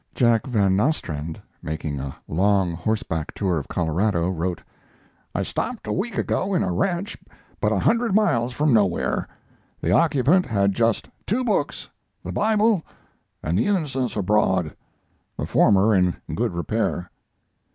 Jack Van Nostrand, making a long horseback tour of Colorado, wrote: I stopped a week ago in a ranch but a hundred miles from nowhere. The occupant had just two books: the Bible and The Innocents Abroad the former in good repair.